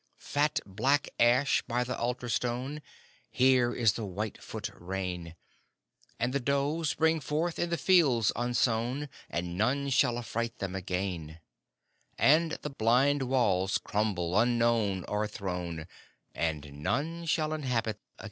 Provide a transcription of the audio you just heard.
Fat black ash by the altar stone, Here is the white foot rain, And the does bring forth in the fields unsown, And none shall affright them again; And the blind walls crumble, unknown, o'erthrown And none shall inhabit again!